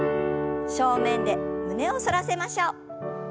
正面で胸を反らせましょう。